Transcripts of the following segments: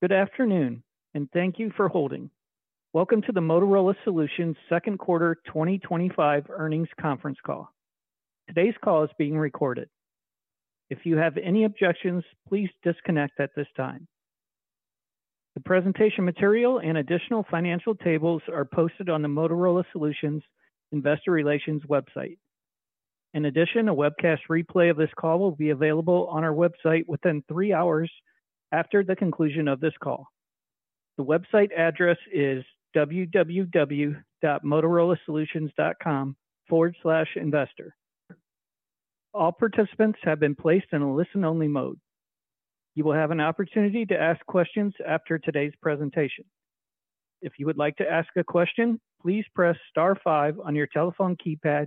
Good afternoon and thank you for holding. Welcome to the Motorola Solutions second quarter 2025 earnings conference call. Today's call is being recorded. If you have any objections, please disconnect at this time. The presentation material and additional financial tables are posted on the Motorola Solutions Investor Relations website. In addition, a webcast replay of this call will be available on our website within three hours after the conclusion of this call. The website address is www.motorolasolutions.com/investor. All participants have been placed in a listen-only mode. You will have an opportunity to ask questions after today's presentation. If you would like to ask a question, please press star five on your telephone keypad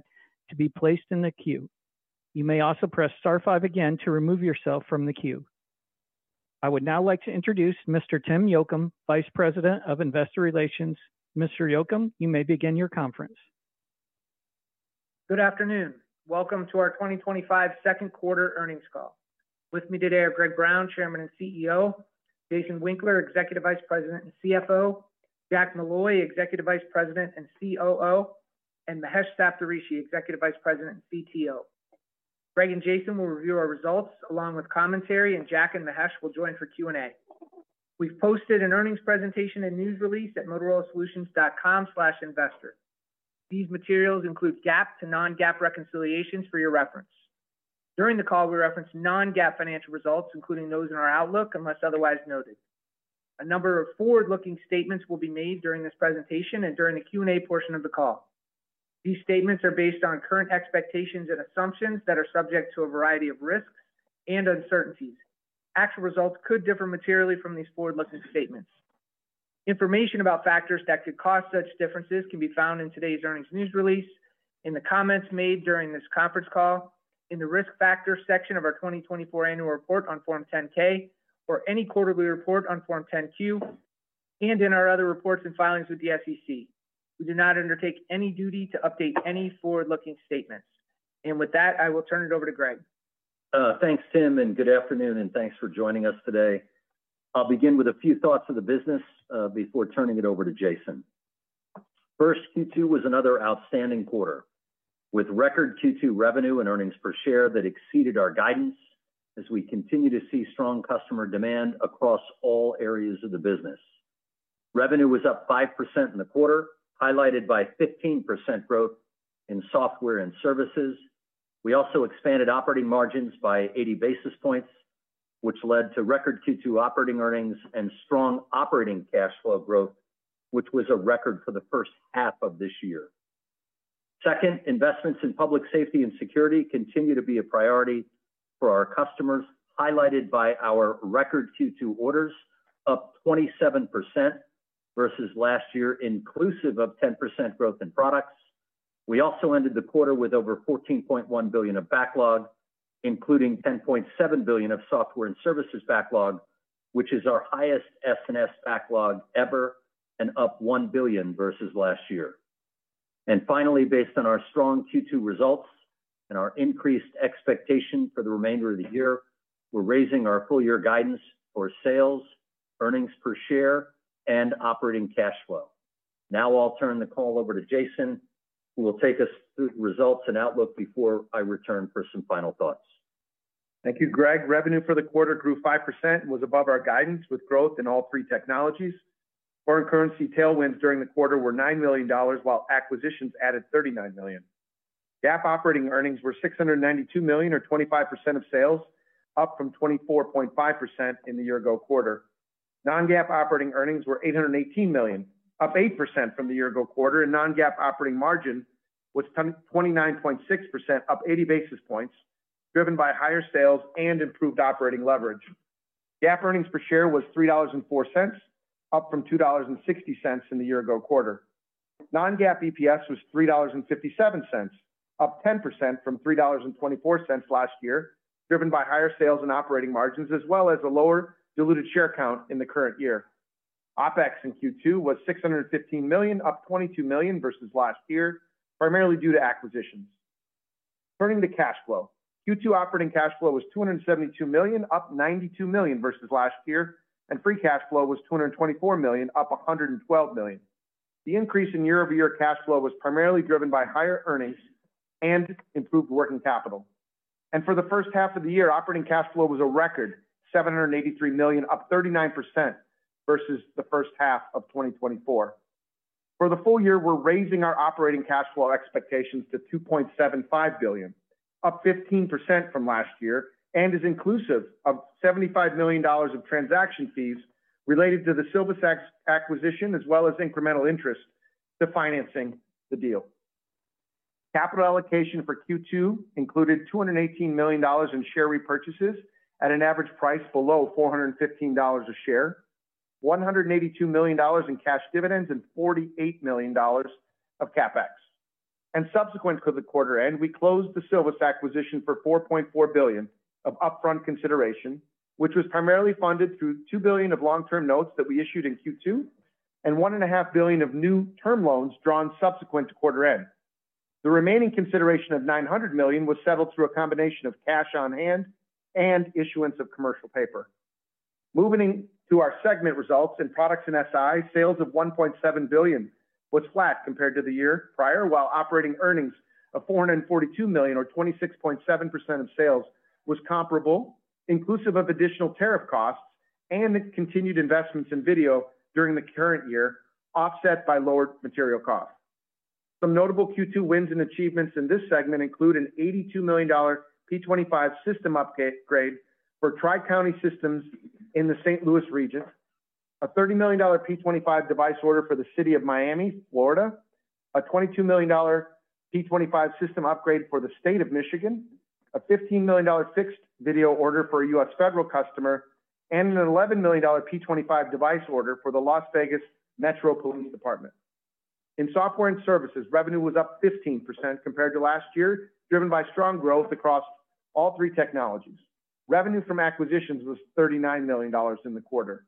to be placed in the queue. You may also press star five again to remove yourself from the queue. I would now like to introduce Mr. Tim Yocum, Vice President of Investor Relations. Mr. Yocum, you may begin your conference. Good afternoon. Welcome to our 2025 second quarter earnings call. With me today are Greg Brown, Chairman and CEO, Jason Winkler, Executive Vice President and CFO, Jack Molloy, Executive Vice President and COO, and Mahesh Saptharishi, Executive Vice President and CTO. Greg and Jason will review our results along with commentary, and Jack and Mahesh will join for Q&A. We've posted an earnings presentation and news release at motorolasolutions.com/investor. These materials include GAAP to non-GAAP reconciliations for your reference. During the call, we reference non-GAAP financial results, including those in our outlook unless otherwise noted. A number of forward-looking statements will be made during this presentation and during the Q&A portion of the call. These statements are based on current expectations and assumptions that are subject to a variety of risks and uncertainties. Actual results could differ materially from these forward-looking statements. Information about factors that could cause such differences can be found in today's earnings news release, in the comments made during this conference call, in the risk factors section of our 2024 annual report on Form 10-K, any quarterly report on Form 10-Q, and in our other reports and filings with the SEC. We do not undertake any duty to update any forward-looking statements. With that, I will turn it over to Greg. Thanks, Tim, and good afternoon, and thanks for joining us today. I'll begin with a few thoughts on the business before turning it over to Jason. First, Q2 was another outstanding quarter, with record Q2 revenue and earnings per share that exceeded our guidance, as we continue to see strong customer demand across all areas of the business. Revenue was up 5% in the quarter, highlighted by 15% growth in software and services. We also expanded operating margins by 80 basis points, which led to record Q2 operating earnings and strong operating cash flow growth, which was a record for the first half of this year. Second, investments in public safety and security continue to be a priority for our customers, highlighted by our record Q2 orders up 27% versus last year, inclusive of 10% growth in products. We also ended the quarter with over $14.1 billion of backlog, including $10.7 billion of software and services backlog, which is our highest S&S backlog ever and up $1 billion versus last year. Finally, based on our strong Q2 results and our increased expectation for the remainder of the year, we're raising our full-year guidance for sales, earnings per share, and operating cash flow. Now I'll turn the call over to Jason, who will take us through the results and outlook before I return for some final thoughts. Thank you, Greg. Revenue for the quarter grew 5% and was above our guidance with growth in all three technologies. Foreign currency tailwinds during the quarter were $9 million, while acquisitions added $39 million. GAAP operating earnings were $692 million, or 25% of sales, up from 24.5% in the year-ago quarter. Non-GAAP operating earnings were $818 million, up 8% from the year-ago quarter, and non-GAAP operating margin was 29.6%, up 80 basis points, driven by higher sales and improved operating leverage. GAAP earnings per share was $3.04, up from $2.60 in the year-ago quarter. Non-GAAP EPS was $3.57, up 10% from $3.24 last year, driven by higher sales and operating margins, as well as a lower diluted share count in the current year. OpEx in Q2 was $615 million, up $22 million versus last year, primarily due to acquisitions. Turning to cash flow, Q2 operating cash flow was $272 million, up $92 million versus last year, and free cash flow was $224 million, up $112 million. The increase in year-over-year cash flow was primarily driven by higher earnings and improved working capital. For the first half of the year, operating cash flow was a record $783 million, up 39% versus the first half of 2024. For the full year, we're raising our operating cash flow expectations to $2.75 billion, up 15% from last year, and is inclusive of $75 million of transaction fees related to the Silvus acquisition, as well as incremental interest to financing the deal. Capital allocation for Q2 included $218 million in share repurchases at an average price below $415 a share, $182 million in cash dividends, and $48 million of CapEx. Subsequent to the quarter end, we closed the Silvus acquisition for $4.4 billion of upfront consideration, which was primarily funded through $2 billion of long-term notes that we issued in Q2 and $1.5 billion of new term loans drawn subsequent to quarter end. The remaining consideration of $900 million was settled through a combination of cash on hand and issuance of commercial paper. Moving to our segment results in products and SI, sales of $1.7 billion was flat compared to the year prior, while operating earnings of $442 million, or 26.7% of sales, was comparable, inclusive of additional tariff costs and continued investments in video during the current year, offset by lowered material costs. Some notable Q2 wins and achievements in this segment include an $82 million P25 system upgrade for tri-county systems in the St. Louis region, a $30 million P25 device order for the City of Miami, Florida, a $22 million P25 system upgrade for the State of Michigan, a $15 million fixed video order for a U.S. federal customer, and an $11 million P25 device order for the Las Vegas Metro Police Department. In software and services, revenue was up 15% compared to last year, driven by strong growth across all three technologies. Revenue from acquisitions was $39 million in the quarter.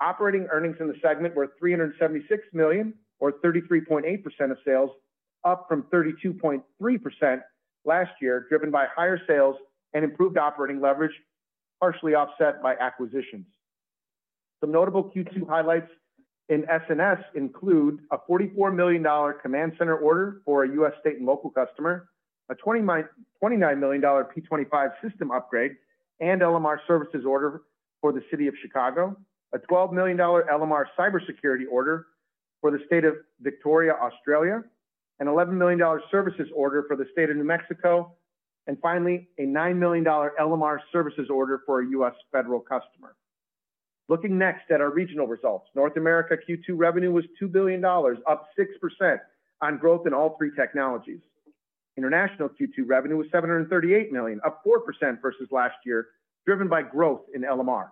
Operating earnings in the segment were $376 million, or 33.8% of sales, up from 32.3% last year, driven by higher sales and improved operating leverage, partially offset by acquisitions. Some notable Q2 highlights in S&S include a $44 million command center order for a U.S. state and local customer, a $29 million P25 system upgrade and LMR services order for the City of Chicago, a $12 million LMR cybersecurity order for the State of Victoria, Australia, an $11 million services order for the State of New Mexico, and finally, a $9 million LMR services order for a U.S. federal customer. Looking next at our regional results, North America Q2 revenue was $2 billion, up 6% on growth in all three technologies. International Q2 revenue was $738 million, up 4% versus last year, driven by growth in LMR.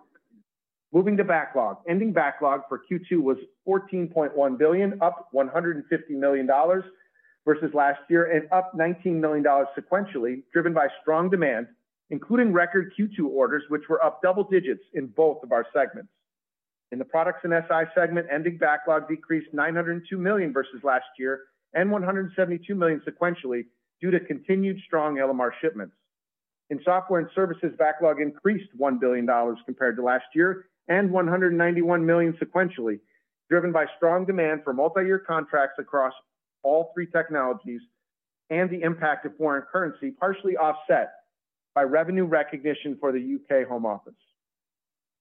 Moving to backlog, ending backlog for Q2 was $14.1 billion, up $150 million versus last year, and up $19 million sequentially, driven by strong demand, including record Q2 orders, which were up double digits in both of our segments. In the products and SI segment, ending backlog decreased $902 million versus last year, and $172 million sequentially, due to continued strong LMR shipments. In software and services, backlog increased $1 billion compared to last year, and $191 million sequentially, driven by strong demand for multi-year contracts across all three technologies and the impact of foreign currency, partially offset by revenue recognition for the U.K. Home Office.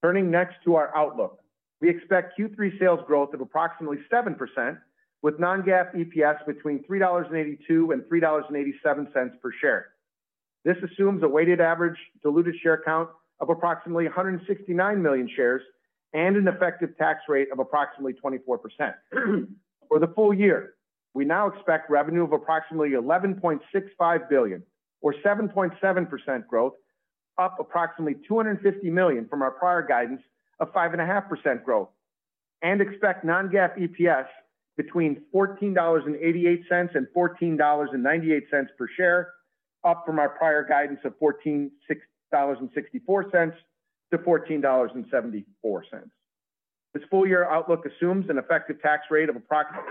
Turning next to our outlook, we expect Q3 sales growth of approximately 7%, with non-GAAP EPS between $3.82 and $3.87 per share. This assumes a weighted average diluted share count of approximately 169 million shares and an effective tax rate of approximately 24%. For the full year, we now expect revenue of approximately $11.65 billion, or 7.7% growth, up approximately $250 million from our prior guidance of 5.5% growth, and expect non-GAAP EPS between $14.88 and $14.98 per share, up from our prior guidance of $14.64-$14.74. This full-year outlook assumes an effective tax rate of approximately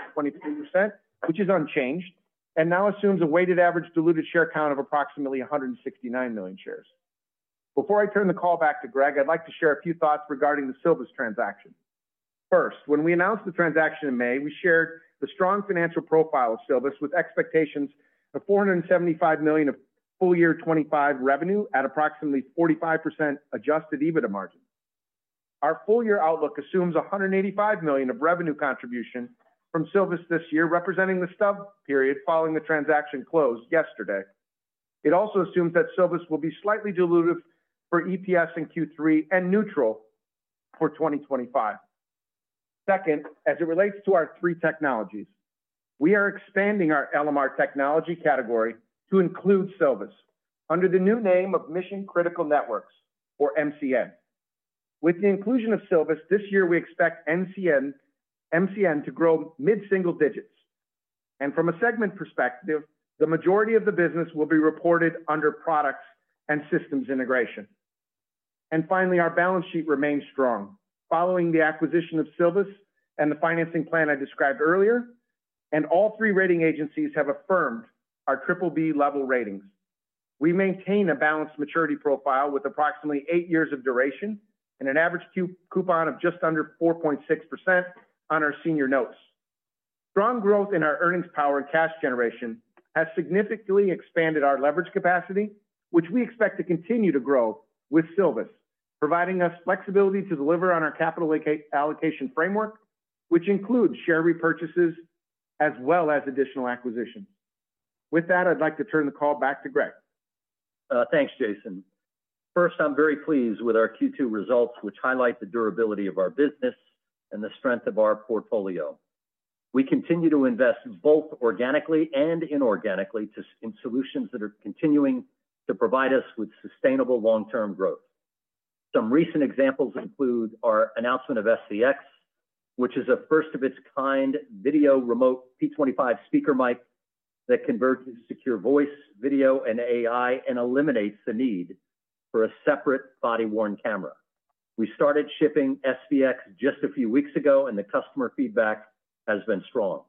22%, which is unchanged, and now assumes a weighted average diluted share count of approximately 169 million shares. Before I turn the call back to Greg, I'd like to share a few thoughts regarding the Silvus transaction. First, when we announced the transaction in May, we shared the strong financial profile of Silvus with expectations of $475 million of full-year 2025 revenue at approximately 45% adjusted EBITDA margin. Our full-year outlook assumes $185 million of revenue contribution from Silvus this year, representing the stub period following the transaction closed yesterday. It also assumes that Silvus will be slightly dilutive for EPS in Q3 and neutral for 2025. Second, as it relates to our three technologies, we are expanding our LMR technology category to include Silvus under the new name of Mission Critical Networks, or MCN. With the inclusion of Silvus, this year we expect MCN to grow mid-single digits. From a segment perspective, the majority of the business will be reported under products and systems integration. Finally, our balance sheet remains strong following the acquisition of Silvus and the financing plan I described earlier, and all three rating agencies have affirmed our BBB level ratings. We maintain a balanced maturity profile with approximately eight years of duration and an average coupon of just under 4.6% on our senior notes. Strong growth in our earnings power and cash generation has significantly expanded our leverage capacity, which we expect to continue to grow with Silvus, providing us flexibility to deliver on our capital allocation framework, which includes share repurchases as well as additional acquisitions. With that, I'd like to turn the call back to Greg. Thanks, Jason. First, I'm very pleased with our Q2 results, which highlight the durability of our business and the strength of our portfolio. We continue to invest both organically and inorganically in solutions that are continuing to provide us with sustainable long-term growth. Some recent examples include our announcement of SVX, which is a first-of-its-kind video remote P25 speaker mic that converts to secure voice, video, and AI and eliminates the need for a separate body-worn camera. We started shipping SVX just a few weeks ago, and the customer feedback has been strong.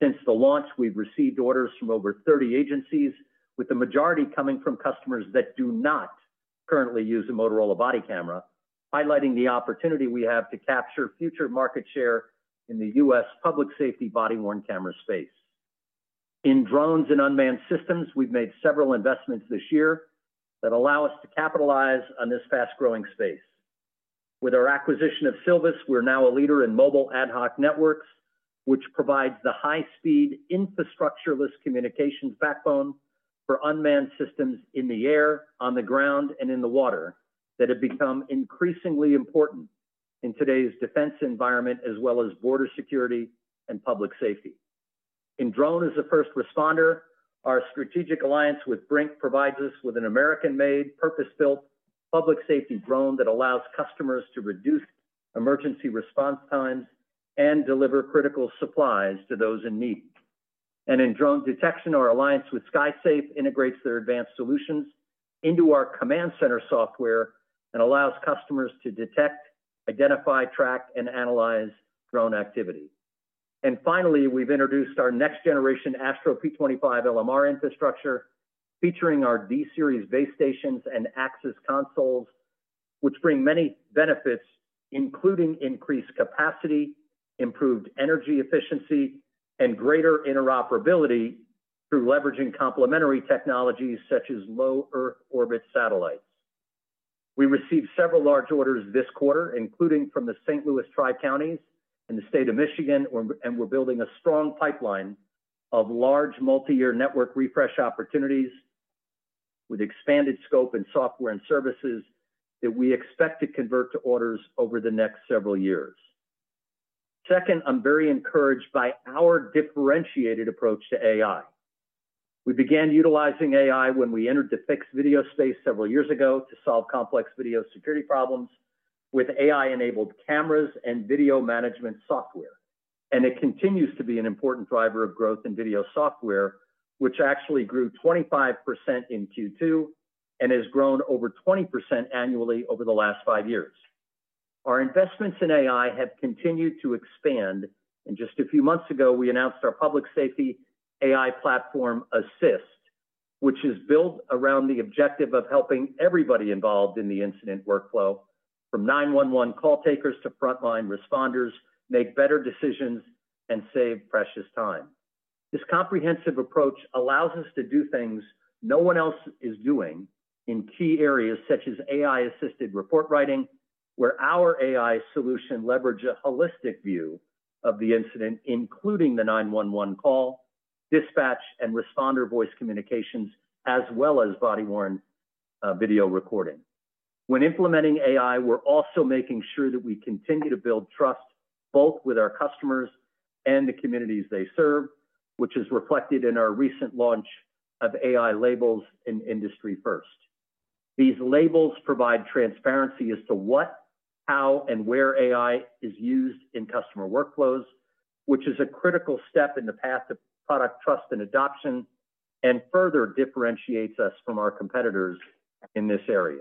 Since the launch, we've received orders from over 30 agencies, with the majority coming from customers that do not currently use a Motorola body camera, highlighting the opportunity we have to capture future market share in the U.S. public safety body-worn camera space. In drones and unmanned systems, we've made several investments this year that allow us to capitalize on this fast-growing space. With our acquisition of Silvus, we're now a leader in mobile ad-hoc networks, which provides the high-speed infrastructure-less communications backbone for unmanned systems in the air, on the ground, and in the water that have become increasingly important in today's defense environment, as well as border security and public safety. In drone as a first responder, our strategic alliance with BRINC provides us with an American-made, purpose-built public safety drone that allows customers to reduce emergency response times and deliver critical supplies to those in need. In drone detection, our alliance with SkySafe integrates their advanced solutions into our command center software and allows customers to detect, identify, track, and analyze drone activity. Finally, we've introduced our next-generation ASTRO P25 LMR infrastructure, featuring our D-series base stations and AXS consoles, which bring many benefits, including increased capacity, improved energy efficiency, and greater interoperability through leveraging complementary technologies such as low Earth orbit satellite. We received several large orders this quarter, including from the St. Louis Tri-County and the State of Michigan, and we're building a strong pipeline of large multi-year network refresh opportunities with expanded scope and software and services that we expect to convert to orders over the next several years. Second, I'm very encouraged by our differentiated approach to AI. We began utilizing AI when we entered the fixed video space several years ago to solve complex video security problems with AI-enabled cameras and video management software. It continues to be an important driver of growth in video software, which actually grew 25% in Q2 and has grown over 20% annually over the last five years. Our investments in AI have continued to expand, and just a few months ago, we announced our public safety AI platform Assist, which is built around the objective of helping everybody involved in the incident workflow, from 911 call takers to frontline responders, make better decisions and save precious time. This comprehensive approach allows us to do things no one else is doing in key areas such as AI-assisted report writing, where our AI solution leverages a holistic view of the incident, including the 911 call, dispatch, and responder voice communications, as well as body-worn video recording. When implementing AI, we're also making sure that we continue to build trust both with our customers and the communities they serve, which is reflected in our recent launch of AI transparency labels in industry first. These labels provide transparency as to what, how, and where AI is used in customer workflows, which is a critical step in the path to product trust and adoption and further differentiates us from our competitors in this area.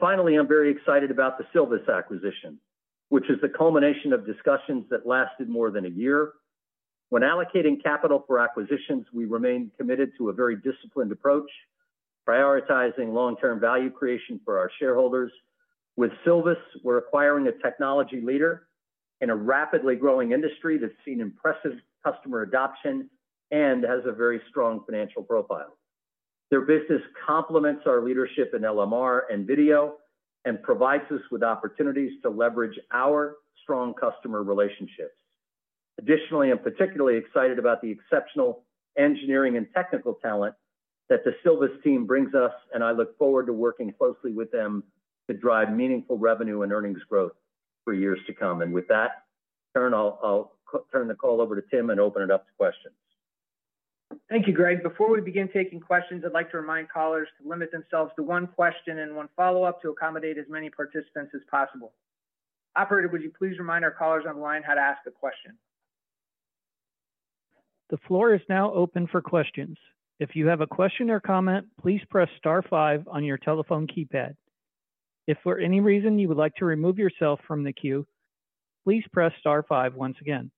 Finally, I'm very excited about the Silvus acquisition, which is the culmination of discussions that lasted more than a year. When allocating capital for acquisitions, we remain committed to a very disciplined approach, prioritizing long-term value creation for our shareholders. With Silvus, we're acquiring a technology leader in a rapidly growing industry that's seen impressive customer adoption and has a very strong financial profile. Their business complements our leadership in LMR and video and provides us with opportunities to leverage our strong customer relationships. Additionally, I'm particularly excited about the exceptional engineering and technical talent that the Silvus team brings us, and I look forward to working closely with them to drive meaningful revenue and earnings growth for years to come. With that, I'll turn the call over to Tim and open it up to questions. Thank you, Greg. Before we begin taking questions, I'd like to remind callers to limit themselves to one question and one follow-up to accommodate as many participants as possible. Operator, would you please remind our callers on the line how to ask a question? The floor is now open for questions. If you have a question or comment, please press star five on your telephone keypad. If for any reason you would like to remove yourself from the queue, please press star five once again.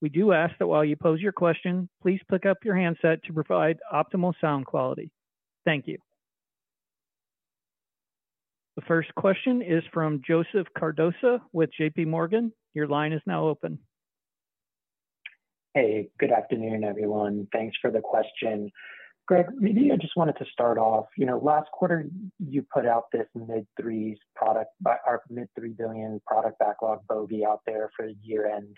We do ask that while you pose your question, please pick up your handset to provide optimal sound quality. Thank you. The first question is from Joseph Cardoso with JPMorgan. Your line is now open. Hey, good afternoon, everyone. Thanks for the question. Greg, maybe I just wanted to start off. You know, last quarter you put out this mid-$3 billion product backlog bogey out there for the year-end,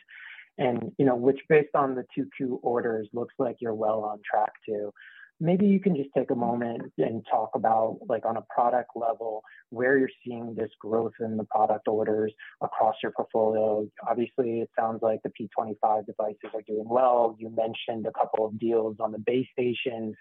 and you know, which based on the Q2 orders looks like you're well on track too. Maybe you can just take a moment and talk about, like, on a product level, where you're seeing this growth in the product orders across your portfolio. Obviously, it sounds like the P25 devices are doing well. You mentioned a couple of deals on the base stations,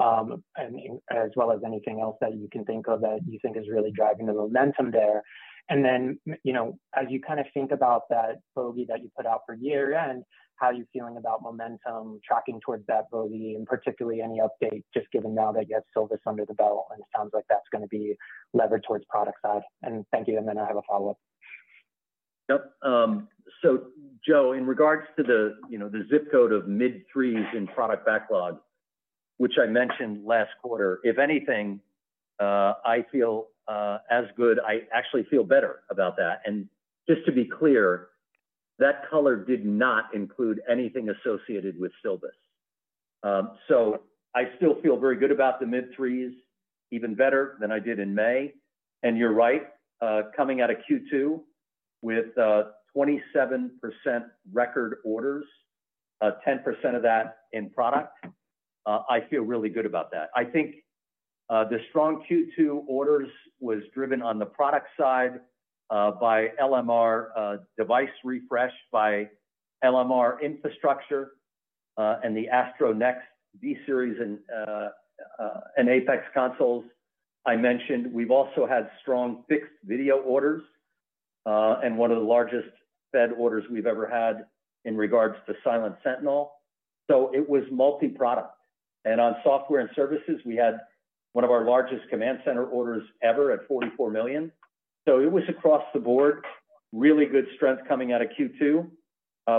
as well as anything else that you can think of that you think is really driving the momentum there. As you kind of think about that bogey that you put out for year-end, how are you feeling about momentum tracking towards that bogey, and particularly any update just given now that you have Silvus under the belt, and it sounds like that's going to be levered towards product side. Thank you, and then I have a follow-up. Yep. Joe, in regards to the zip code of mid-threes in product backlog, which I mentioned last quarter, if anything, I feel as good. I actually feel better about that. Just to be clear, that color did not include anything associated with Silvus. I still feel very good about the mid-threes, even better than I did in May. You're right, coming out of Q2 with 27% record orders, 10% of that in product, I feel really good about that. I think the strong Q2 orders were driven on the product side by LMR device refresh, by LMR infrastructure, and the ASTRO Next V Series and AXS consoles I mentioned. We've also had strong fixed video orders, and one of the largest federal orders we've ever had in regards to Silent Sentinel. It was multi-product. On software and services, we had one of our largest command center orders ever at $44 million. It was across the board, really good strength coming out of Q2,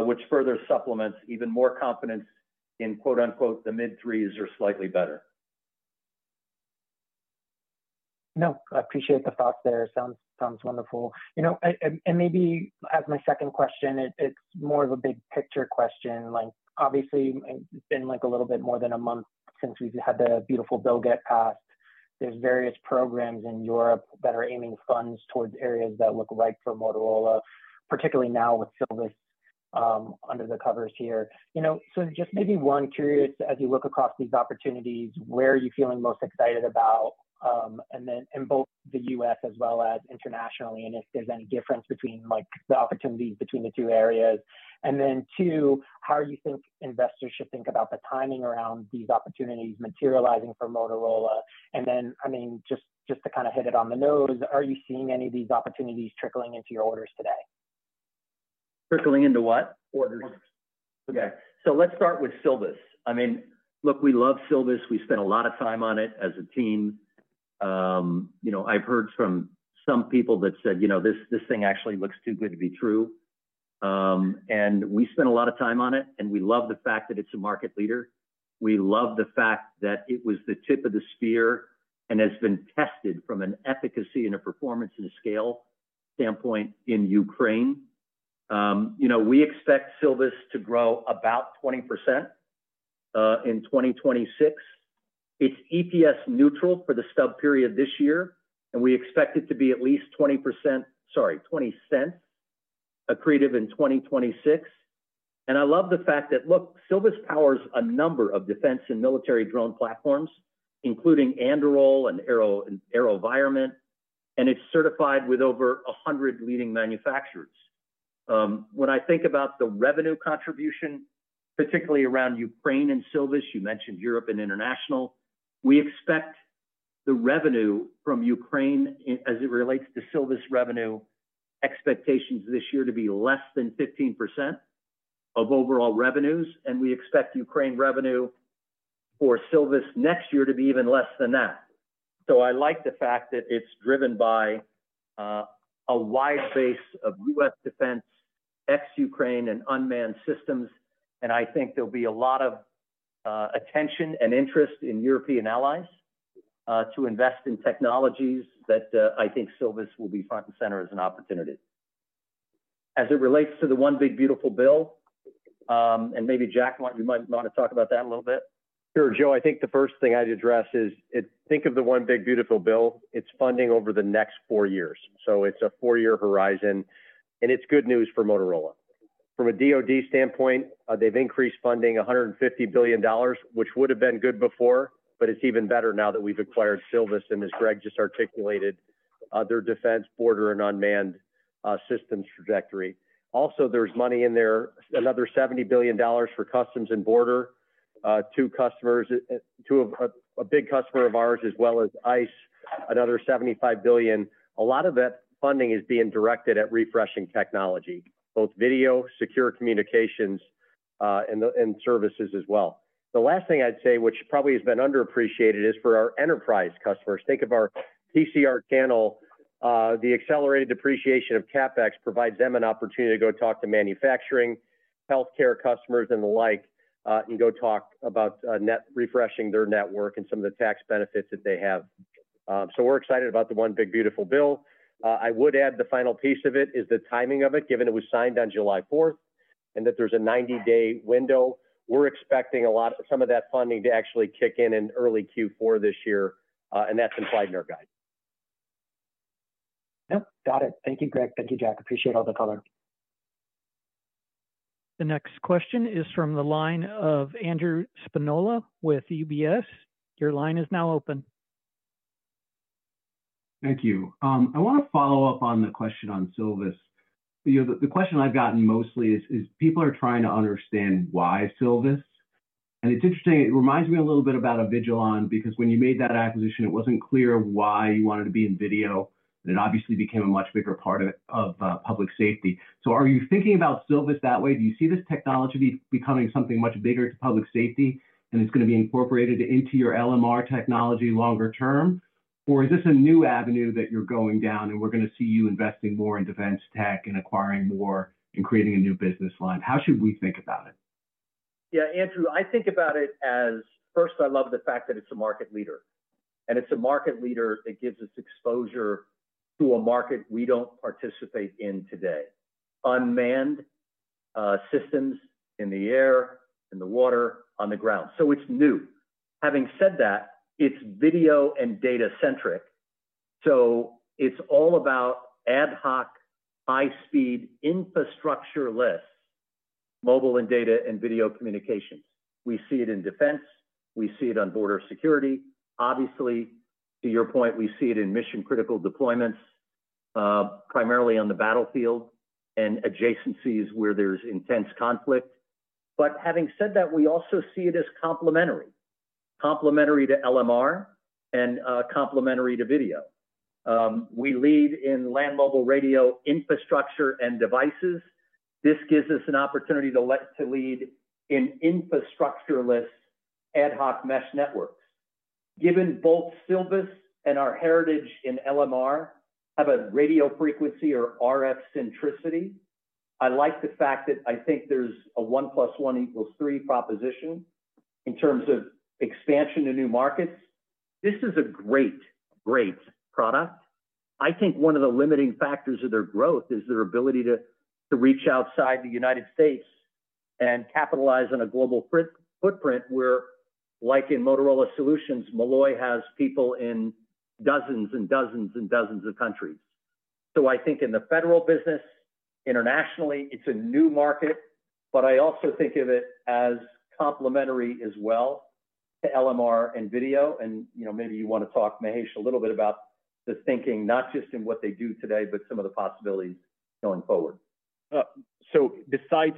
which further supplements even more confidence in, quote unquote, the mid-threes or slightly better. No, I appreciate the thought there. Sounds wonderful. Maybe as my second question, it's more of a big-picture question. Obviously, it's been a little bit more than a month since we've had the beautiful bill get passed. There are various programs in Europe that are aiming funds towards areas that look ripe for Motorola, particularly now with Silvus under the covers here. Just maybe one, curious, as you look across these opportunities, where are you feeling most excited about, in both the U.S. as well as internationally, and if there's any difference between the opportunities between the two areas. Two, how do you think investors should think about the timing around these opportunities materializing for Motorola? Just to kind of hit it on the nose, are you seeing any of these opportunities trickling into your orders today? Trickling into what? Orders. Okay. Let's start with Silvus. I mean, look, we love Silvus. We spent a lot of time on it as a team. I've heard from some people that said this thing actually looks too good to be true. We spent a lot of time on it, and we love the fact that it's a market leader. We love the fact that it was the tip of the spear and has been tested from an efficacy and a performance and scale standpoint in Ukraine. We expect Silvus to grow about 20% in 2026. It's EPS neutral for the stub period this year, and we expect it to be at least $0.20 accretive in 2026. I love the fact that Silvus powers a number of defense and military drone platforms, including Anduril and AeroVironment, and it's certified with over 100 leading manufacturers. When I think about the revenue contribution, particularly around Ukraine and Silvus, you mentioned Europe and international, we expect the revenue from Ukraine, as it relates to Silvus revenue, expectations this year to be less than 15% of overall revenues, and we expect Ukraine revenue for Silvus next year to be even less than that. I like the fact that it's driven by a wide base of U.S. defense, ex-Ukraine, and unmanned systems, and I think there'll be a lot of attention and interest in European allies to invest in technologies that I think Silvus will be front and center as an opportunity. As it relates to the One Big Beautiful Bill, and maybe Jack, you might want to talk about that a little bit. Sure, Joe. I think the first thing I'd address is think of the One Big Beautiful Bill. It's funding over the next four years. It's a four-year horizon, and it's good news for Motorola. From a DOD standpoint, they've increased funding $150 billion, which would have been good before, but it's even better now that we've acquired Silvus, and as Greg just articulated, their defense, border, and unmanned systems trajectory. Also, there's money in there, another $70 billion for customs and border, two customers, a big customer of ours, as well as ICE, another $75 billion. A lot of that funding is being directed at refreshing technology, both video, secure communications, and services as well. The last thing I'd say, which probably has been underappreciated, is for our enterprise customers. Think of our PCR channel, the accelerated depreciation of CapEx provides them an opportunity to go talk to manufacturing, healthcare customers, and the like, and go talk about refreshing their network and some of the tax benefits that they have. We're excited about the One Big Beautiful Bill. I would add the final piece of it is the timing of it, given it was signed on July 4, and that there's a 90-day window. We're expecting a lot of some of that funding to actually kick in in early Q4 this year, and that's implied in our guide. Yeah, got it. Thank you, Greg. Thank you, Jack. Appreciate all the color. The next question is from the line of Andrew Spinola with UBS. Your line is now open. Thank you. I want to follow up on the question on Silvus. You know, the question I've gotten mostly is people are trying to understand why Silvus. It's interesting, it reminds me a little bit about Vigilant, because when you made that acquisition, it wasn't clear why you wanted to be in video, and it obviously became a much bigger part of public safety. Are you thinking about Silvus that way? Do you see this technology becoming something much bigger to public safety, and it's going to be incorporated into your LMR technology longer term? Is this a new avenue that you're going down, and we're going to see you investing more in defense tech and acquiring more and creating a new business line? How should we think about it? Yeah, Andrew, I think about it as, first, I love the fact that it's a market leader. It's a market leader that gives us exposure to a market we don't participate in today. Unmanned systems in the air, in the water, on the ground. It's new. Having said that, it's video and data-centric. It's all about ad hoc, high-speed, infrastructure-less mobile and data and video communication. We see it in defense. We see it on border security. Obviously, to your point, we see it in mission-critical deployments, primarily on the battlefield and adjacencies where there's intense conflict. Having said that, we also see it as complementary, complementary to LMR and complementary to video. We lead in land mobile radio infrastructure and devices. This gives us an opportunity to lead in infrastructure-less ad hoc mesh networks. Given both Silvus and our heritage in LMR have a radio frequency or RF centricity, I like the fact that I think there's a one plus one equals three proposition in terms of expansion to new markets. This is a great, great product. I think one of the limiting factors of their growth is their ability to reach outside the U.S. and capitalize on a global footprint where, like in Motorola Solutions, Molloy has people in dozens and dozens and dozens of countries. I think in the federal business, internationally, it's a new market. I also think of it as complementary as well to LMR and video. You know, maybe you want to talk, Mahesh, a little bit about the thinking, not just in what they do today, but some of the possibilities going forward. Besides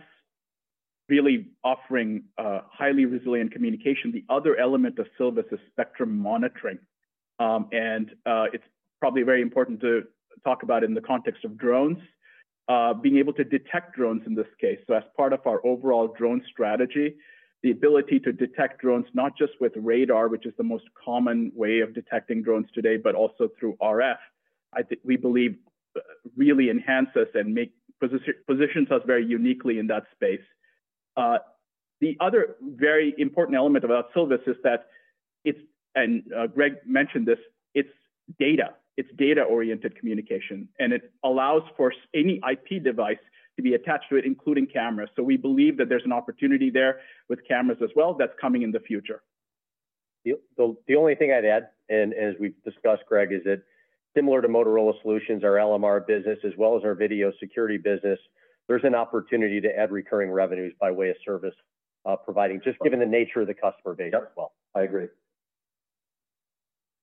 really offering highly resilient communication, the other element of Silvus is spectrum monitoring. It's probably very important to talk about in the context of drones, being able to detect drones in this case. As part of our overall drone strategy, the ability to detect drones not just with radar, which is the most common way of detecting drones today, but also through RF, I think we believe really enhances and positions us very uniquely in that space. The other very important element about Silvus is that it's, and Greg mentioned this, it's data. It's data-oriented communication. It allows for any IP device to be attached to it, including cameras. We believe that there's an opportunity there with cameras as well that's coming in the future. The only thing I'd add, as we've discussed, Greg, is that similar to Motorola Solutions, our LMR business as well as our video security business, there's an opportunity to add recurring revenues by way of service providing, just given the nature of the customer base as well. I agree.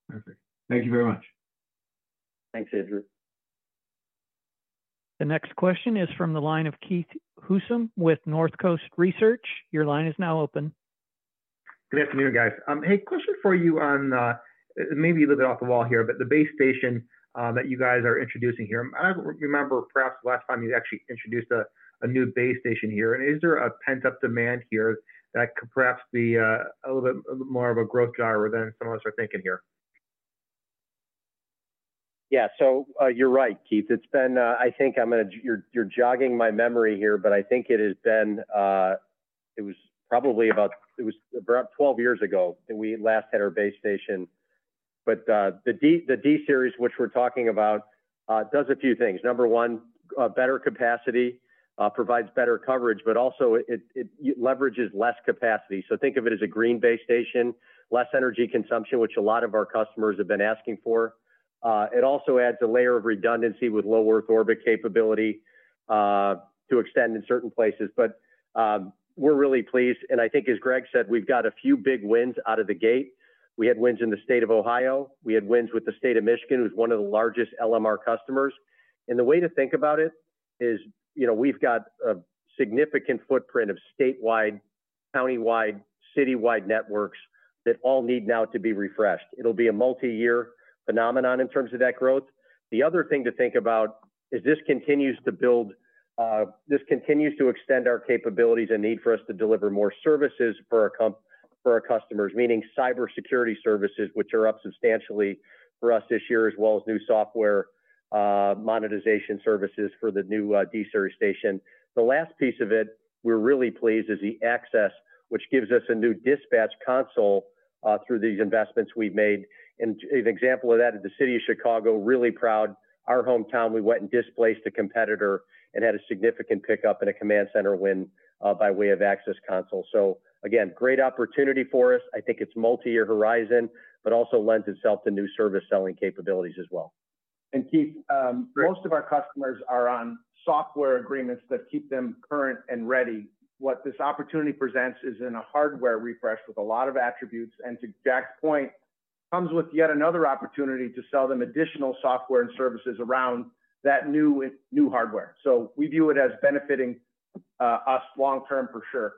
Perfect. Thank you very much. Thanks, Andrew. The next question is from the line of Keith Housum with Northcoast Research. Your line is now open. Good afternoon, guys. Hey, question for you on maybe a little bit off the wall here, but the base station that you guys are introducing here, I don't remember perhaps the last time you actually introduced a new base station here. Is there a pent-up demand here that could perhaps be a little bit more of a growth driver than some of us are thinking here? Yeah, so you're right, Keith. It's been, I think I'm going to, you're jogging my memory here, but I think it has been, it was probably about, it was about 12 years ago that we last had our base station. The D-series, which we're talking about, does a few things. Number one, better capacity, provides better coverage, but also it leverages less capacity. Think of it as a green base station, less energy consumption, which a lot of our customers have been asking for. It also adds a layer of redundancy with low earth orbit capability to extend in certain places. We're really pleased. I think, as Greg said, we've got a few big wins out of the gate. We had wins in the state of Ohio. We had wins with the state of Michigan, with one of the largest LMR customers. The way to think about it is, you know, we've got a significant footprint of statewide, countywide, citywide networks that all need now to be refreshed. It'll be a multi-year phenomenon in terms of that growth. The other thing to think about is this continues to build, this continues to extend our capabilities and need for us to deliver more services for our customers, meaning cybersecurity services, which are up substantially for us this year, as well as new software monetization services for the new D-series station. The last piece of it, we're really pleased, is the access, which gives us a new dispatch console through these investments we've made. An example of that is the city of Chicago, really proud. Our hometown, we went and displaced a competitor and had a significant pickup and a command center win by way of access console. Great opportunity for us. I think it's a multi-year horizon, but also lends itself to new service selling capabilities as well. Keith, most of our customers are on software agreements that keep them current and ready. What this opportunity presents is in a hardware refresh with a lot of attributes, and to Jack's point, comes with yet another opportunity to sell them additional software and services around that new hardware. We view it as benefiting us long-term, for sure.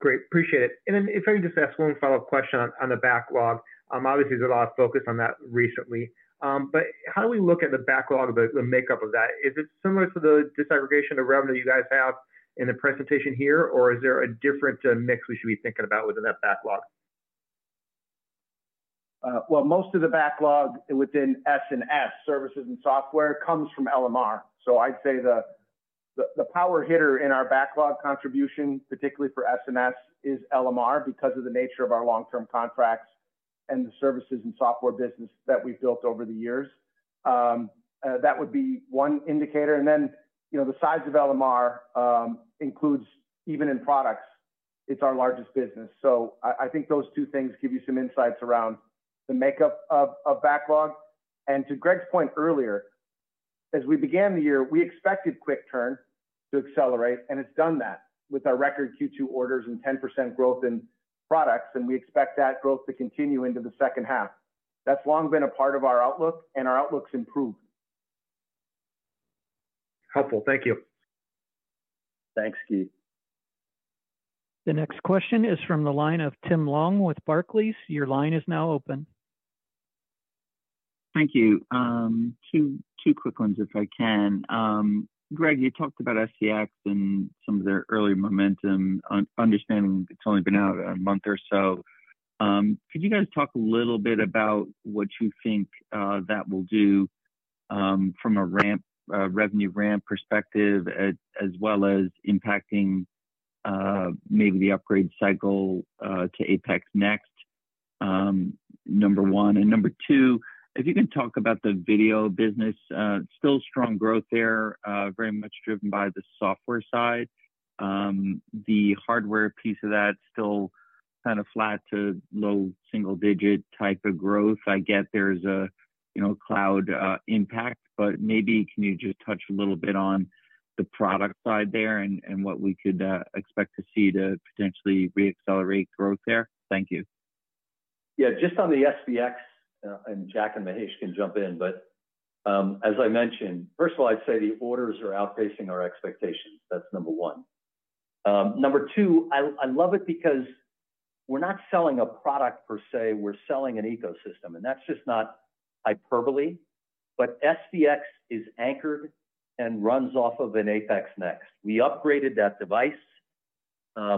Great, appreciate it. If I can just ask one final question on the backlog. Obviously, there's a lot of focus on that recently. How do we look at the backlog, the makeup of that? Is it similar to the disaggregation of revenue you guys have in the presentation here, or is there a different mix we should be thinking about within that backlog? Most of the backlog within S&S, services and software, comes from LMR. I'd say the power hitter in our backlog contribution, particularly for S&S, is LMR because of the nature of our long-term contracts and the services and software business that we've built over the years. That would be one indicator. The size of LMR includes, even in products, it's our largest business. I think those two things give you some insights around the makeup of backlog. To Greg's point earlier, as we began the year, we expected quick turn to accelerate, and it's done that with our record Q2 orders and 10% growth in products, and we expect that growth to continue into the second half. That's long been a part of our outlook, and our outlook's improved. Helpful, thank you. Thanks, Keith. The next question is from the line of Tim Long with Barclays. Your line is now open. Thank you. Two quick ones, if I can. Greg, you talked about SVX and some of their earlier momentum, understanding it's only been out a month or so. Could you guys talk a little bit about what you think that will do from a revenue ramp perspective, as well as impacting maybe the upgrade cycle to APX next? Number one. Number two, if you can talk about the video business, still strong growth there, very much driven by the software side. The hardware piece of that is still kind of flat to low single-digit type of growth. I get there's a cloud impact, but maybe can you just touch a little bit on the product side there and what we could expect to see to potentially re-accelerate growth there? Thank you. Yeah, just on the SVX, and Jack and Mahesh can jump in, but as I mentioned, first of all, I'd say the orders are outpacing our expectations. That's number one. Number two, I love it because we're not selling a product per se. We're selling an ecosystem, and that's just not hyperbole. SVX is anchored and runs off of an APX Next. We upgraded that device.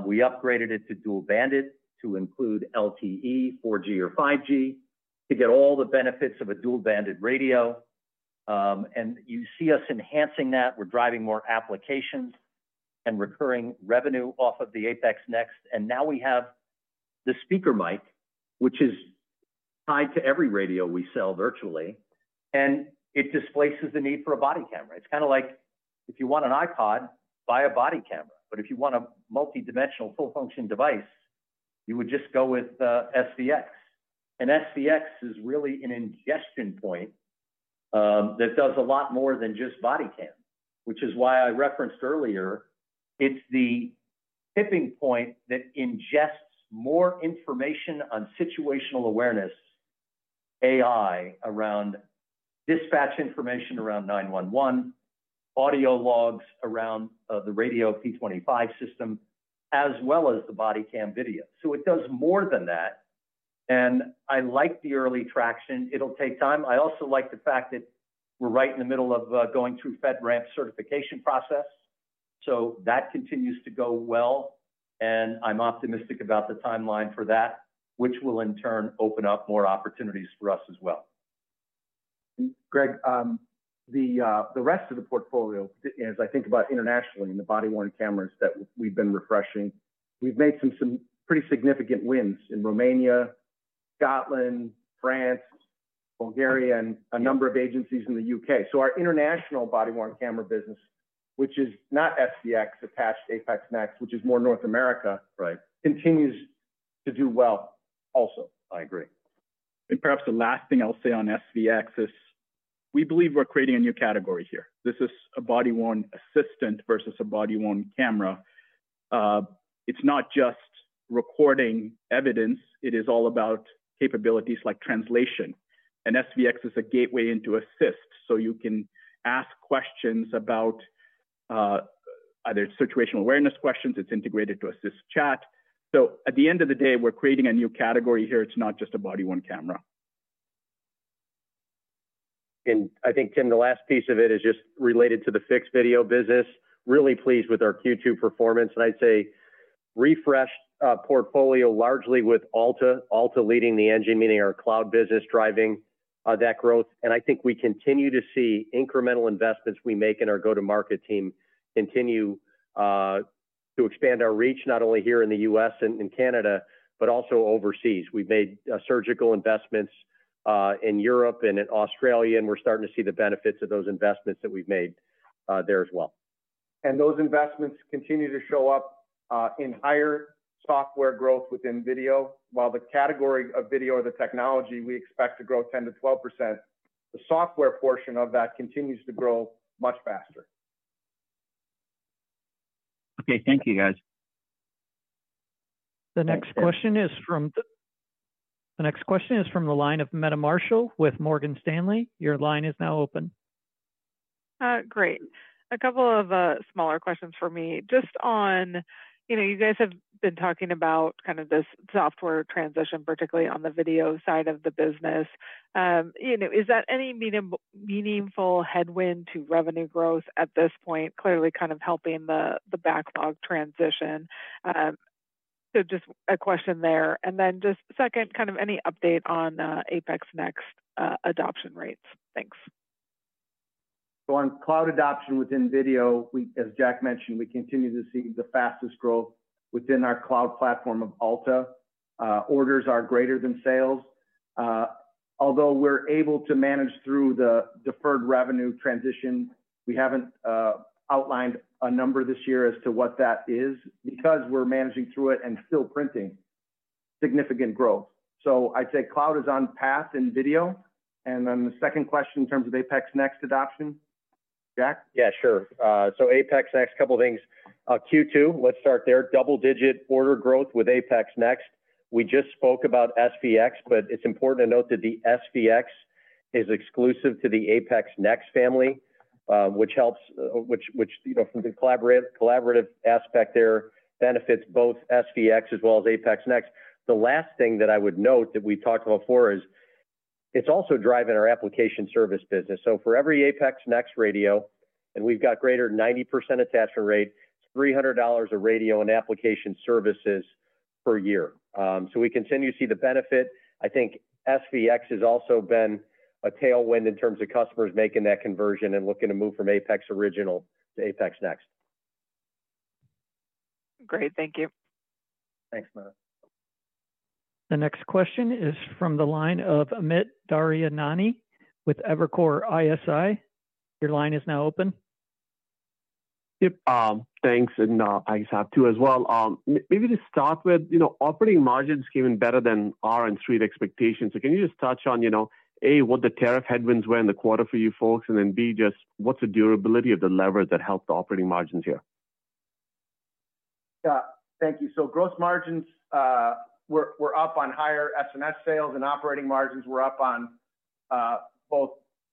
We upgraded it to dual banded to include LTE, 4G, or 5G to get all the benefits of a dual banded radio. You see us enhancing that. We're driving more applications and recurring revenue off of the APX Next. Now we have the speaker mic, which is tied to every radio we sell virtually. It displaces the need for a body camera. It's kind of like if you want an iPod, buy a body camera. If you want a multi-dimensional full-function device, you would just go with SVX. SVX is really an ingestion point that does a lot more than just body cam, which is why I referenced earlier. It's the tipping point that ingests more information on situational awareness, AI around dispatch information around 911, audio logs around the radio P25 system, as well as the body cam video. It does more than that. I like the early traction. It'll take time. I also like the fact that we're right in the middle of going through FedRAMP certification process. That continues to go well. I'm optimistic about the timeline for that, which will in turn open up more opportunities for us as well. Greg, the rest of the portfolio, as I think about internationally in the body-worn cameras that we've been refreshing, we've made some pretty significant wins in Romania, Scotland, France, Bulgaria, and a number of agencies in the U.K. Our international body-worn camera business, which is not SVX, Apache APX Next, which is more North America, continues to do well. Also, I agree. Perhaps the last thing I'll say on SVX is we believe we're creating a new category here. This is a body-worn assistant versus a body-worn camera. It's not just recording evidence. It is all about capabilities like translation. SVX is a gateway into Assist. You can ask questions about either situational awareness questions. It's integrated to Assist chat. At the end of the day, we're creating a new category here. It's not just a body-worn camera. I think, Tim, the last piece of it is just related to the fixed video business. Really pleased with our Q2 performance. I'd say refreshed portfolio largely with Alta, Alta leading the engine, meaning our cloud business driving that growth. I think we continue to see incremental investments we make in our go-to-market team continue to expand our reach, not only here in the U.S. and Canada, but also overseas. We've made surgical investments in Europe and in Australia, and we're starting to see the benefits of those investments that we've made there as well. Those investments continue to show up in higher software growth within video. While the category of video or the technology we expect to grow 10%-12%, the software portion of that continues to grow much faster. Okay, thank you, guys. The next question is from the line of Meta Marshall with Morgan Stanley. Your line is now open. Great. A couple of smaller questions for me. Just on, you know, you guys have been talking about kind of this software transition, particularly on the video side of the business. Is that any meaningful headwind to revenue growth at this point? Clearly, kind of helping the backlog transition. Just a question there. Then just second, any update on APX Next adoption rates? Thanks. On cloud adoption within video, as Jack mentioned, we continue to see the fastest growth within our cloud platform of Alta. Orders are greater than sales, although we're able to manage through the deferred revenue transition. We haven't outlined a number this year as to what that is because we're managing through it and still printing significant growth. I'd say cloud is on path in video. The second question in terms of APX Next adoption? Jack? Yeah, sure. APX Next, a couple of things. Q2, let's start there. Double-digit order growth with APX Next. We just spoke about SVX, but it's important to note that the SVX is exclusive to the APX Next family, which helps, you know, from the collaborative aspect there, benefits both SVX as well as APX Next. The last thing that I would note that we've talked about before is it's also driving our application service business. For every APX Next radio, and we've got greater than 90% attachment rate, it's $300 a radio in application services per year. We continue to see the benefit. I think SVX has also been a tailwind in terms of customers making that conversion and looking to move from APX Original to APX Next. Great, thank you. Thanks, Meta. The next question is from the line of Amit Daryanani with Evercore ISI. Your line is now open. Thanks. I just have two as well. Maybe to start with, operating margins came in better than our and street expectations. Can you just touch on, A, what the tariff headwinds were in the quarter for you folks, and then B, what's the durability of the levers that helped the operating margins here? Yeah, thank you. Gross margins were up on higher S&S sales and operating margins. We're up on both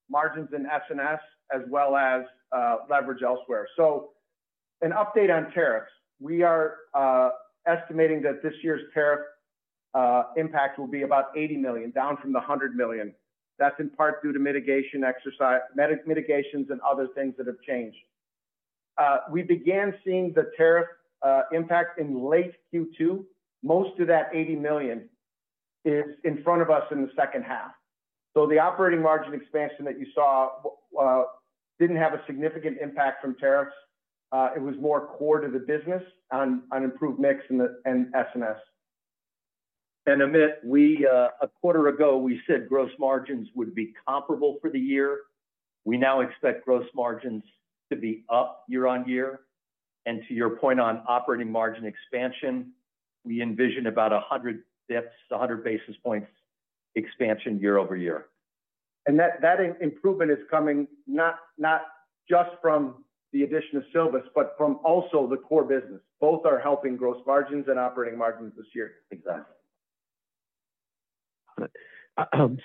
margins in S&S as well as leverage elsewhere. An update on tariffs: we are estimating that this year's tariff impact will be about $80 million, down from the $100 million. That's in part due to mitigations and other things that have changed. We began seeing the tariff impact in late Q2. Most of that $80 million is in front of us in the second half. The operating margin expansion that you saw didn't have a significant impact from tariffs. It was more core to the business on improved mix and S&S. Amit, a quarter ago, we said gross margins would be comparable for the year. We now expect gross margins to be up year on year. To your point on operating margin expansion, we envision about 100 basis points expansion year over year. That improvement is coming not just from the addition of Silvus, but also from the core business. Both are helping gross margins and operating margins this year. Exactly.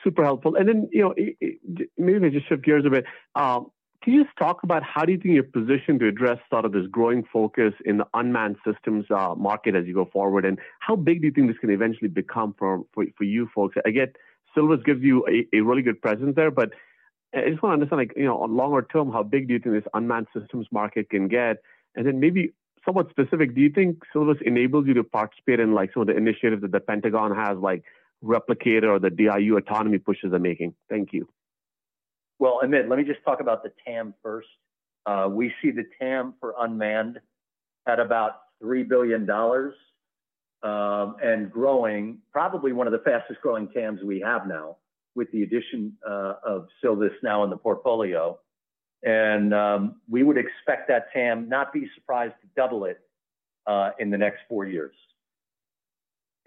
Super helpful. Maybe I just shift gears a bit. Can you just talk about how do you think you're positioned to address sort of this growing focus in the unmanned systems market as you go forward? How big do you think this can eventually become for you folks? I get Silvus gives you a really good presence there, but I just want to understand, like, on longer term, how big do you think this unmanned systems market can get? Maybe somewhat specific, do you think Silvus enables you to participate in, like, some of the initiatives that the Pentagon has, like Replicator or the DIU autonomy pushes they're making? Thank you. Amit, let me just talk about the TAM first. We see the TAM for unmanned at about $3 billion and growing, probably one of the fastest growing TAMs we have now with the addition of Silvus now in the portfolio. We would expect that TAM, not be surprised, to double it in the next four years.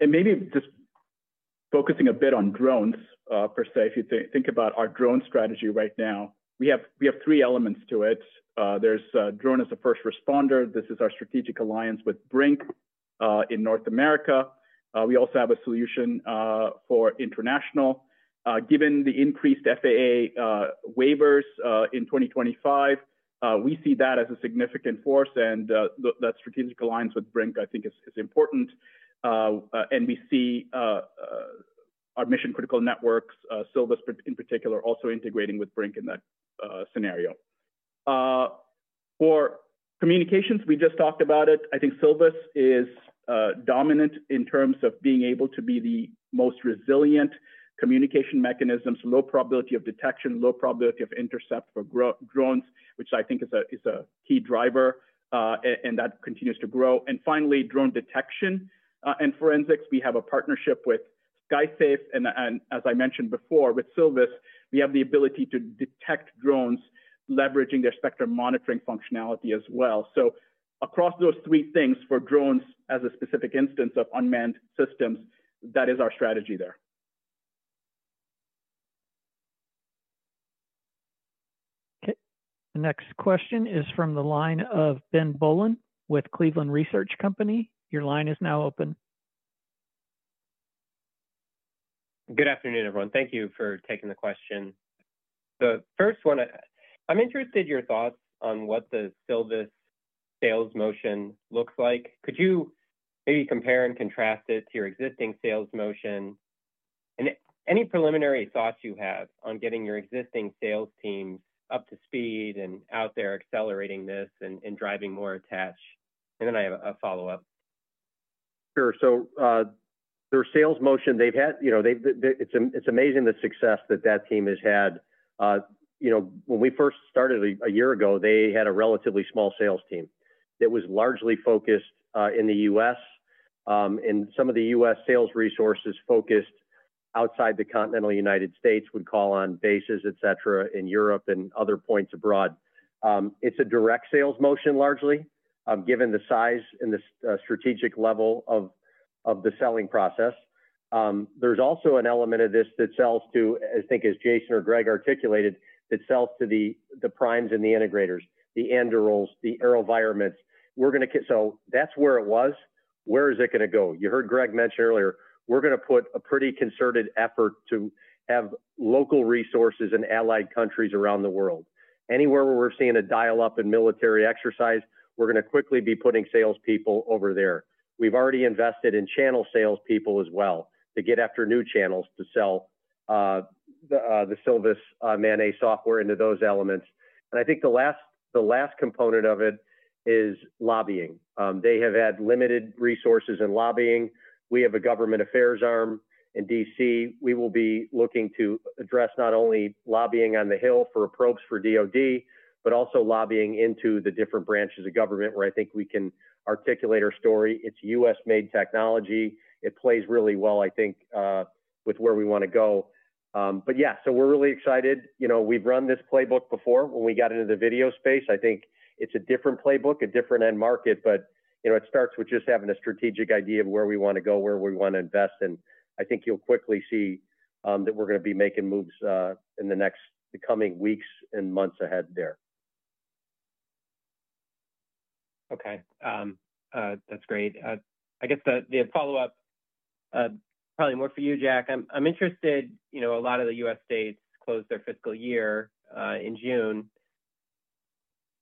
Maybe just focusing a bit on drones per se. If you think about our drone strategy right now, we have three elements to it. There's drone as a first responder. This is our strategic alliance with BRINC in North America. We also have a solution for international. Given the increased FAA waivers in 2025, we see that as a significant force, and that strategic alliance with BRINC, I think, is important. We see our mission-critical networks, Silvus in particular, also integrating with BRINC in that scenario. For communications, we just talked about it. I think Silvus is dominant in terms of being able to be the most resilient communication mechanisms, low probability of detection, low probability of intercept for drones, which I think is a key driver, and that continues to grow. Finally, drone detection and forensics, we have a partnership with SkySafe, and as I mentioned before, with Silvus, we have the ability to detect drones, leveraging their spectrum monitoring functionality as well. Across those three things, for drones as a specific instance of unmanned systems, that is our strategy there. Okay. The next question is from the line of Ben Bolen with Cleveland Research Company. Your line is now open. Good afternoon, everyone. Thank you for taking the question. The first one, I'm interested in your thoughts on what the Silvus sales motion looks like. Could you maybe compare and contrast it to your existing sales motion? Any preliminary thoughts you have on getting your existing sales team up to speed and out there accelerating this and driving more attach? I have a follow-up. Sure. Their sales motion, they've had, you know, it's amazing the success that that team has had. When we first started a year ago, they had a relatively small sales team that was largely focused in the U.S. Some of the U.S. sales resources focused outside the continental United States would call on bases, et cetera, in Europe and other points abroad. It's a direct sales motion largely, given the size and the strategic level of the selling process. There's also an element of this that sells to, I think, as Jason or Greg articulated, that sells to the primes and the integrators, the Andurils, the AeroVironments. That's where it was. Where is it going to go? You heard Greg mention earlier, we're going to put a pretty concerted effort to have local resources in allied countries around the world. Anywhere where we're seeing a dial-up in military exercise, we're going to quickly be putting salespeople over there. We've already invested in channel salespeople as well to get after new channels to sell the Silvus software into those elements. I think the last component of it is lobbying. They have had limited resources in lobbying. We have a government affairs arm in D.C. We will be looking to address not only lobbying on the Hill for approbes for DOD, but also lobbying into the different branches of government where I think we can articulate our story. It's U.S.-made technology. It plays really well, I think, with where we want to go. We're really excited. We've run this playbook before when we got into the video space. I think it's a different playbook, a different end market, but it starts with just having a strategic idea of where we want to go, where we want to invest. I think you'll quickly see that we're going to be making moves in the next coming weeks and months ahead there. Okay. That's great. I guess the follow-up, probably more for you, Jack. I'm interested, you know, a lot of the U.S. states closed their fiscal year in June.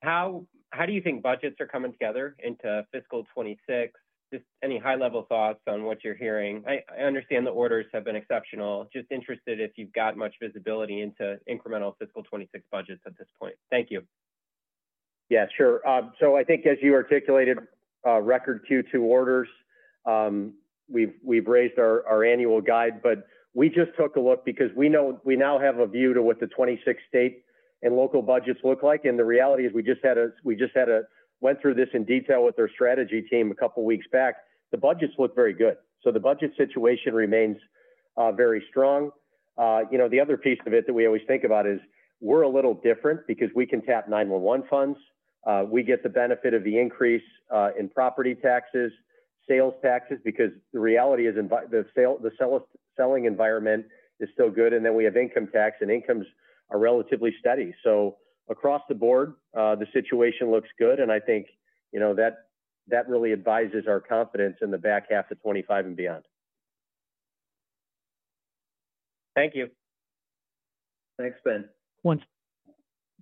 How do you think budgets are coming together into fiscal 2026? Just any high-level thoughts on what you're hearing? I understand the orders have been exceptional. Just interested if you've got much visibility into incremental fiscal 2026 budgets at this point. Thank you. Yeah, sure. I think, as you articulated, record Q2 orders. We've raised our annual guide, but we just took a look because we know we now have a view to what the 2026 state and local budgets look like. The reality is we just went through this in detail with their strategy team a couple of weeks back. The budgets look very good. The budget situation remains very strong. You know, the other piece of it that we always think about is we're a little different because we can tap 911 funds. We get the benefit of the increase in property taxes, sales taxes, because the reality is the selling environment is still good. We have income tax, and incomes are relatively steady. Across the board, the situation looks good. I think, you know, that really advises our confidence in the back half of 2025 and beyond. Thank you. Thanks, Ben.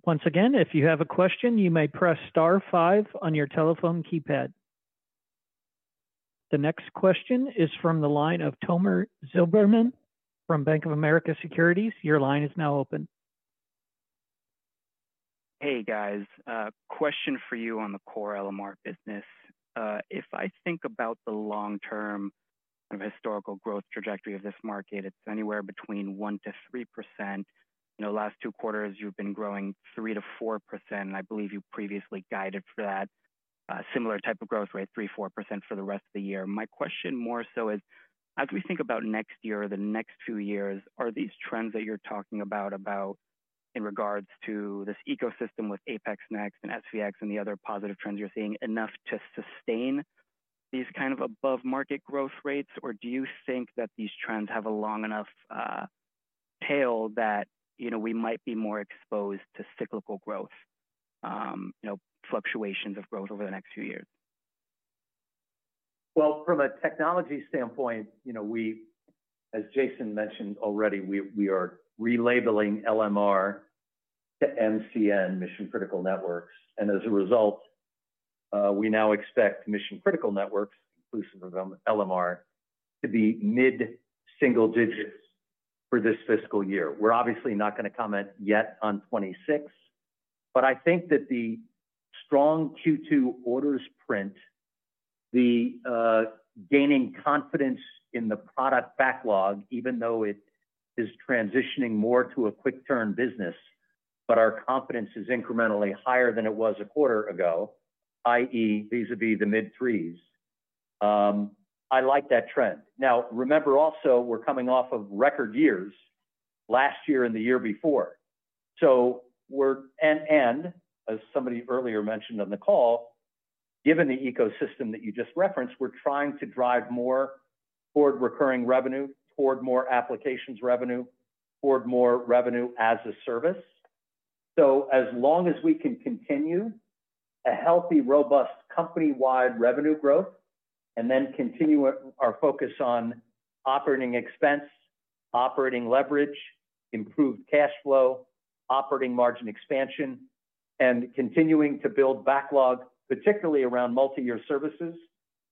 Once again, if you have a question, you may press star five on your telephone keypad. The next question is from the line of Tomer Zilberman from Bank of America Securities. Your line is now open. Hey, guys. Question for you on the core LMR business. If I think about the long-term kind of historical growth trajectory of this market, it's anywhere between 1%-3%. You know, last two quarters, you've been growing 3%-4%, and I believe you previously guided for that similar type of growth rate, 3%-4% for the rest of the year. My question more so is, as we think about next year or the next few years, are these trends that you're talking about in regards to this ecosystem with APX Next and SVX and the other positive trends you're seeing enough to sustain these kind of above-market growth rates, or do you think that these trends have a long enough tail that, you know, we might be more exposed to cyclical growth, you know, fluctuations of growth over the next few years? From a technology standpoint, you know, we, as Jason mentioned already, we are relabeling LMR to MCN, mission-critical networks. As a result, we now expect mission-critical networks, inclusive of LMR, to be mid-single digits for this fiscal year. We're obviously not going to comment yet on 2026, but I think that the strong Q2 orders print, the gaining confidence in the product backlog, even though it is transitioning more to a quick-turn business, our confidence is incrementally higher than it was a quarter ago, i.e., vis-a-vis the mid-threes, I like that trend. Now, remember also, we're coming off of record years last year and the year before. As somebody earlier mentioned on the call, given the ecosystem that you just referenced, we're trying to drive more toward recurring revenue, toward more applications revenue, toward more revenue as a service. As long as we can continue a healthy, robust company-wide revenue growth, and then continue our focus on operating expense, operating leverage, improved cash flow, operating margin expansion, and continuing to build backlog, particularly around multi-year services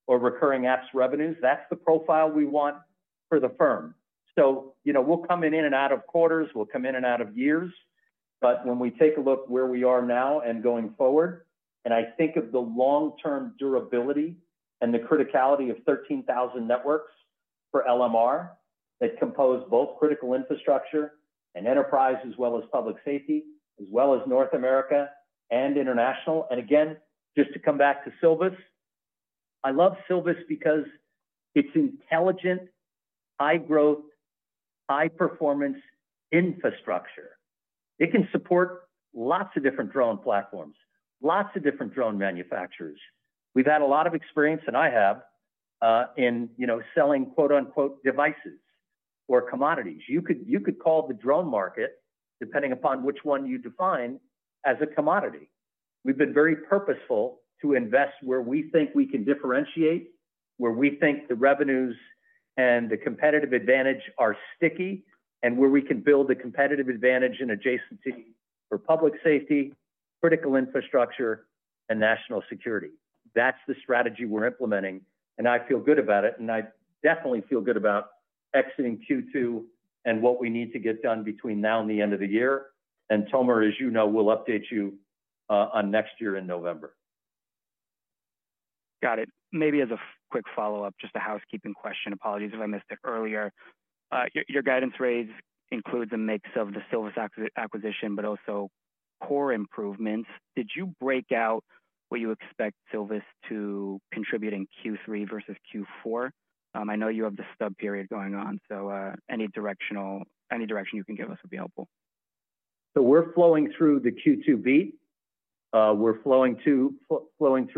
or recurring apps revenues, that's the profile we want for the firm. You know, we'll come in and out of quarters, we'll come in and out of years, but when we take a look where we are now and going forward, and I think of the long-term durability and the criticality of 13,000 networks for LMR that compose both critical infrastructure and enterprise, as well as public safety, as well as North America and international. Again, just to come back to Silvus, I love Silvus because it's intelligent, high growth, high performance infrastructure. It can support lots of different drone platforms, lots of different drone manufacturers. We've had a lot of experience, and I have, in, you know, selling quote unquote devices or commodities. You could call the drone market, depending upon which one you define, as a commodity. We've been very purposeful to invest where we think we can differentiate, where we think the revenues and the competitive advantage are sticky, and where we can build a competitive advantage in adjacency for public safety, critical infrastructure, and national security. That's the strategy we're implementing, and I feel good about it, and I definitely feel good about exiting Q2 and what we need to get done between now and the end of the year. Tomer, as you know, we'll update you on next year in November. Got it. Maybe as a quick follow-up, just a housekeeping question. Apologies if I missed it earlier. Your guidance raise includes a mix of the Silvus acquisition, but also core improvements. Did you break out what you expect Silvus to contribute in Q3 versus Q4? I know you have the stub period going on, so any direction you can give us would be helpful. We're flowing through the Q2B, we're flowing through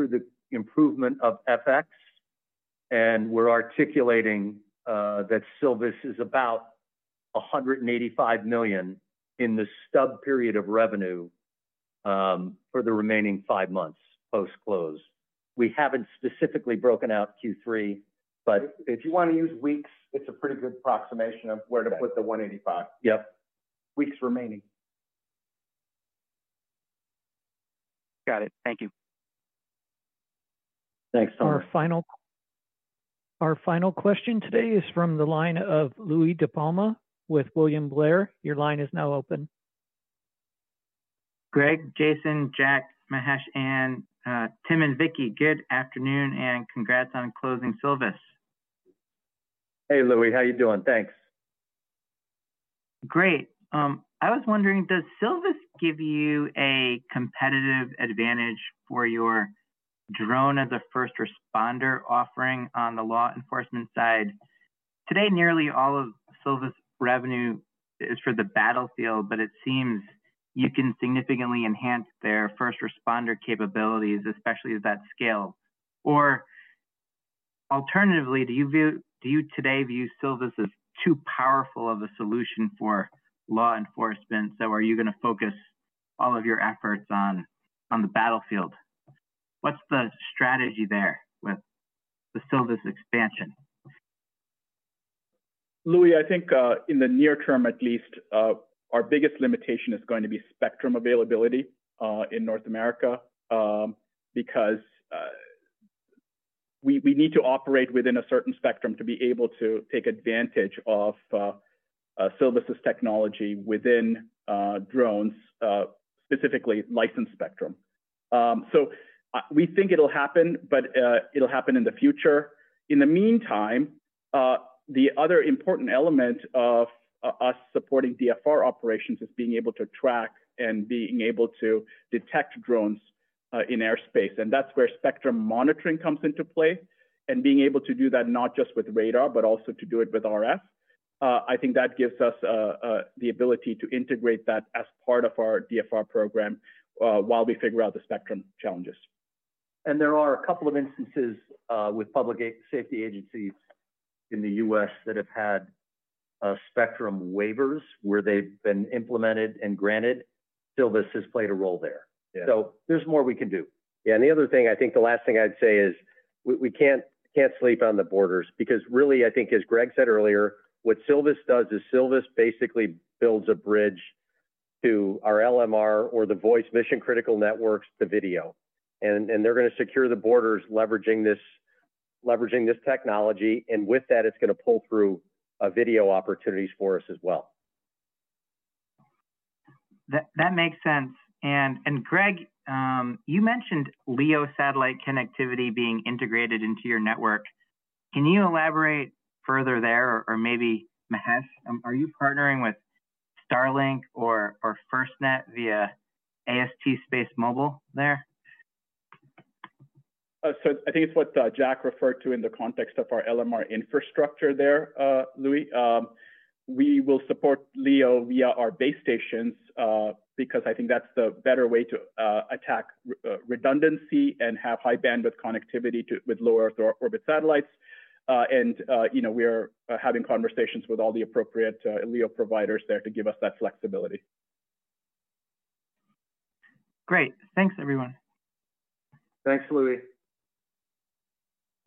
the improvement of FX, and we're articulating that Silvus is about $185 million in the stub period of revenue for the remaining five months post-close. We haven't specifically broken out Q3, but if you want to use weeks, it's a pretty good approximation of where to put the $185 million. Yep. Weeks remaining. Got it. Thank you. Thanks, Tomer. Our final question today is from the line of Louie DiPalma with William Blair. Your line is now open. Greg, Jason, Jack, Mahesh, Ann, Tim, and Vicki. Good afternoon and congrats on closing Silvus. Hey, Louie. How are you doing? Thanks. Great. I was wondering, does Silvus give you a competitive advantage for your drone as a first responder offering on the law enforcement side? Today, nearly all of Silvus's revenue is for the battlefield, but it seems you can significantly enhance their first responder capabilities, especially at that scale. Alternatively, do you today view Silvus as too powerful of a solution for law enforcement? Are you going to focus all of your efforts on the battlefield? What's the strategy there with the Silvus expansion? Louie, I think in the near term, at least, our biggest limitation is going to be spectrum availability in North America because we need to operate within a certain spectrum to be able to take advantage of Silvus technology within drones, specifically licensed spectrum. We think it'll happen, but it'll happen in the future. In the meantime, the other important element of us supporting DFR operations is being able to track and being able to detect drones in airspace. That's where spectrum monitoring comes into play, and being able to do that not just with radar, but also to do it with RF. I think that gives us the ability to integrate that as part of our DFR program while we figure out the spectrum challenges. There are a couple of instances with public safety agencies in the U.S. that have had spectrum waivers where they've been implemented and granted. Silvus has played a role there. There's more we can do. The other thing, I think the last thing I'd say is we can't sleep on the borders because really, I think, as Greg said earlier, what Silvus does is Silvus basically builds a bridge to our LMR or the voice mission-critical networks to video. They're going to secure the borders leveraging this technology, and with that, it's going to pull through video opportunities for us as well. That makes sense. Greg, you mentioned LEO satellite connectivity being integrated into your network. Can you elaborate further there, or maybe Mahesh, are you partnering with Starlink or FirstNet via AST SpaceMobile there? I think it's what Jack referred to in the context of our LMR infrastructure there, Louie. We will support LEO via our base stations because I think that's the better way to attack redundancy and have high bandwidth connectivity with low earth orbit satellites. You know, we're having conversations with all the appropriate LEO providers there to give us that flexibility. Great. Thanks, everyone. Thanks, Louie.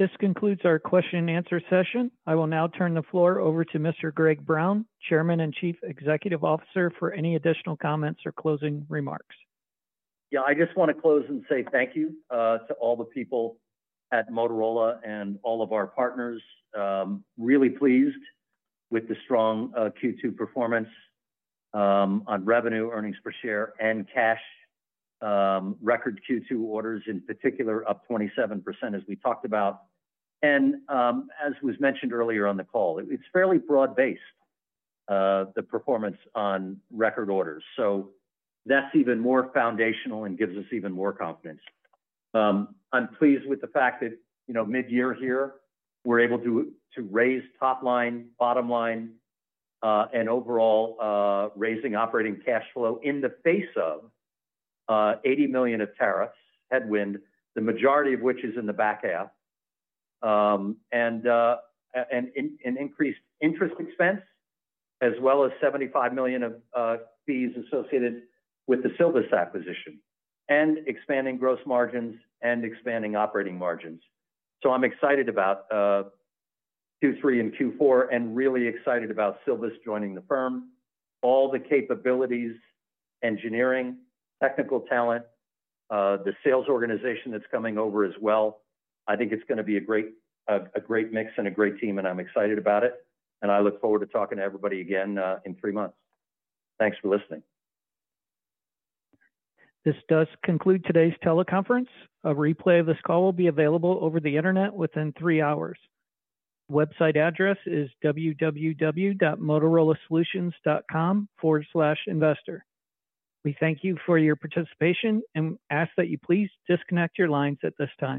This concludes our question and answer session. I will now turn the floor over to Mr. Greg Brown, Chairman and Chief Executive Officer, for any additional comments or closing remarks. Yeah, I just want to close and say thank you to all the people at Motorola Solutions and all of our partners. Really pleased with the strong Q2 performance on revenue, earnings per share, and cash. Record Q2 orders in particular up 27%, as we talked about. As was mentioned earlier on the call, it's fairly broad-based, the performance on record orders. That's even more foundational and gives us even more confidence. I'm pleased with the fact that, you know, mid-year here, we're able to raise top line, bottom line, and overall raising operating cash flow in the face of $80 million of tariff headwind, the majority of which is in the back half, and an increased interest expense, as well as $75 million of fees associated with the Silvus acquisition and expanding gross margins and expanding operating margins. I'm excited about Q3 and Q4 and really excited about Silvus joining the firm, all the capabilities, engineering, technical talent, the sales organization that's coming over as well. I think it's going to be a great mix and a great team, and I'm excited about it. I look forward to talking to everybody again in three months. Thanks for listening. This does conclude today's teleconference. A replay of this call will be available over the internet within three hours. Website address is www.motorolasolutions.com/investor. We thank you for your participation and ask that you please disconnect your lines at this time.